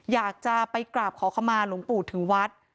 อยากจะไปกราบขอขมาหลวงปู่ถึงวัด